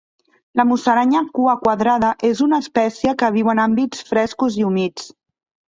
La musaranya cuaquadrada és una espècie que viu en ambients frescos i humits.